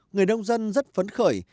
người nông dân rất phấn khởi